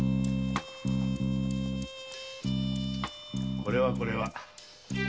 これはこれは。